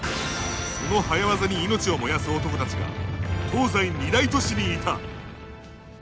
その早ワザに命を燃やす男たちが東西二大都市にいた。